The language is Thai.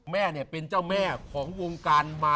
แม่เป็นเจ้าแม่ของวงการมา